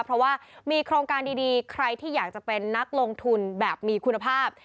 เพราะว่ามีโครงการดีใครที่อยากจะเป็นนักลงทุนแบบมีคุณภาพ